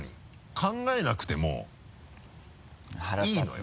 考えなくてもいいのよ。